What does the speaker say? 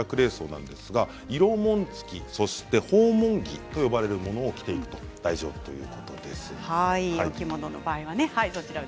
色紋付き、そして訪問着と呼ばれるものを着ていけば大丈夫ということです。